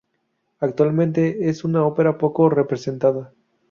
Actualmente es una ópera poco representada.